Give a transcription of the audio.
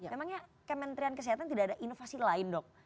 memangnya kementerian kesehatan tidak ada inovasi lain dok